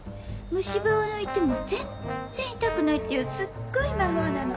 虫歯を抜いても全然痛くないっていうすっごい魔法なの。